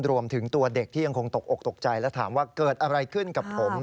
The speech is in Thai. รวมถึงตัวเด็กที่ยังคงตกอกตกใจและถามว่าเกิดอะไรขึ้นกับผม